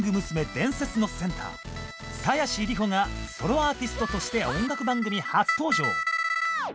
伝説のセンター鞘師里保がソロアーティストとして音楽番組初登場！